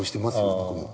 僕も。